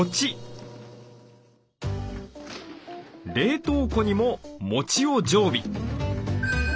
冷凍庫にももちを常備。